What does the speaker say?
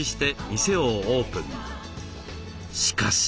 しかし。